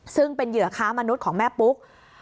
ซึ่งเป็นเหยื่อค้ามนุษย์ของแม่ปุ๊ก